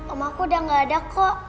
om aku udah gak ada kok